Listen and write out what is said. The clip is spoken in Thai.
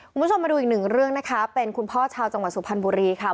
คุณผู้ชมมาดูอีกหนึ่งเรื่องนะคะเป็นคุณพ่อชาวจังหวัดสุพรรณบุรีค่ะ